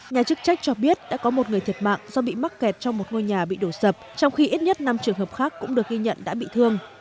nhà chức trách cho biết đã có một người thiệt mạng do bị mắc kẹt trong một ngôi nhà bị đổ sập trong khi ít nhất năm trường hợp khác cũng được ghi nhận đã bị thương